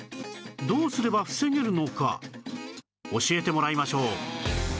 どうすれば防げるのか教えてもらいましょう